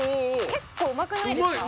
「結構うまくないですか？」